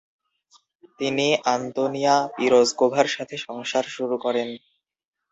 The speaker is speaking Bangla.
তিনি আন্তোনিয়া পিরোজ্কোভার সাথে সংসার শুরু করেন।